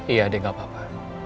iya dia gak apa apa